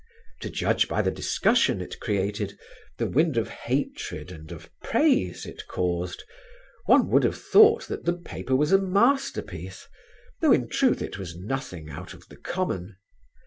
To judge by the discussion it created, the wind of hatred and of praise it caused, one would have thought that the paper was a masterpiece, though in truth it was nothing out of the common.